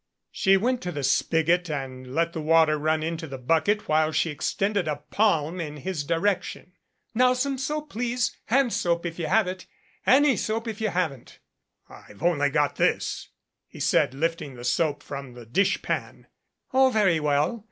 She went to the spigot and let the water run into the bucket, while she extended her palm in his direction. "Now some soap please sand soap, if you have it. Any soap, if you haven't." "I've only got this," he said lifting the soap from the dishpan. "Oh, very well.